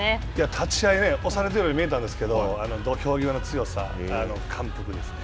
立ち会い、押されてるように見えたんですけど土俵際の強さ、感服ですね。